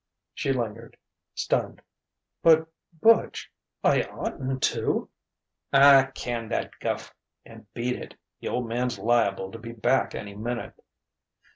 She lingered, stunned. "But, Butch ... I oughtn't to...." "Ah, can that guff and beat it. The Old Man's liable to be back any minute."